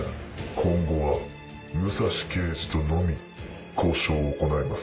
今後は武蔵刑事とのみ交渉を行います。